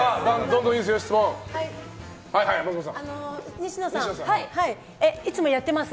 西野さん、いつもやってます？